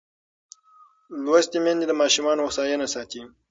لوستې میندې د ماشوم هوساینه ساتي.